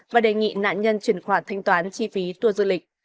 và đề nghị nạn nhân chuyển khoản thanh toán chi phí tour du lịch